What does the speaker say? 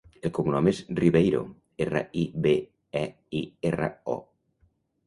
El cognom és Ribeiro: erra, i, be, e, i, erra, o.